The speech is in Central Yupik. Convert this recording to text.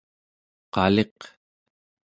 qaliq